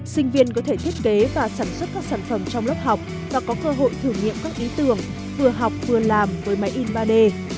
sinh viên có thể thiết kế và sản xuất các sản phẩm trong lớp học và có cơ hội thử nghiệm các ý tưởng vừa học vừa làm với máy in ba d